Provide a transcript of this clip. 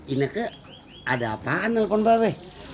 ini ke ada apaan nelfon bapak